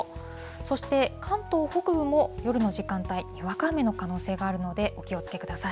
そして関東北部も夜の時間帯、にわか雨の可能性があるので、お気をつけください。